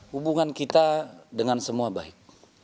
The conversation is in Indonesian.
hubungan kita dengan semua baik